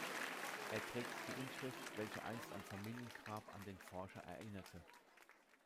Er trägt die Inschrift, welche einst am Familiengrab an den Forscher erinnerte.